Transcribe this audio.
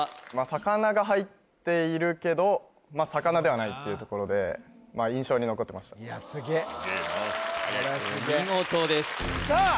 魚が入っているけど魚ではないっていうところで印象に残ってましたいやすげっお見事ですさあ